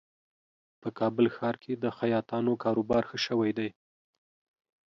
په کابل ښار کې د خیاطانو کاروبار ښه شوی دی